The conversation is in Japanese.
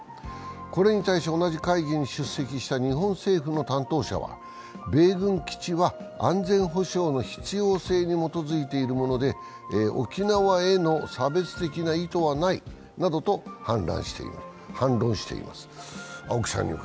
これに対し同じ会議に出席した日本政府の担当者は、米軍基地は安全保障の必要性に基づいているもので沖縄への差別的な意図はないなどと反論しています。